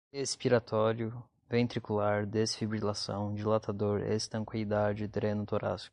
expiratório, ventricular, desfibrilação, dilatador, estanqueidade, dreno torácico